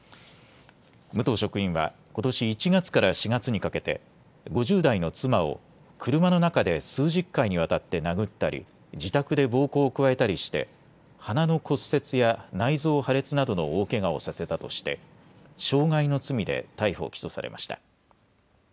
武藤職員はことし１月から４月にかけて５０代の妻を車の中で数十回にわたって殴ったり自宅で暴行を加えたりして鼻の骨折や内臓破裂などの大けがをさせたとして傷害の罪で逮捕・起訴されました。